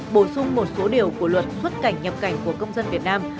bổ sung một số điều của luật xuất cảnh nhập cảnh của công dân việt nam